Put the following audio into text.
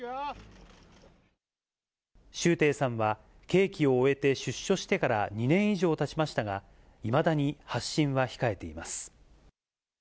周庭さんは刑期を終えて出所してから２年以上たちましたが、いまだに発信は控えています。